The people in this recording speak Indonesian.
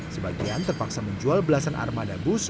sebagian terpaksa menjual belasan armada bus